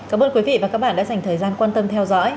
cảm ơn quý vị và các bạn đã dành thời gian quan tâm theo dõi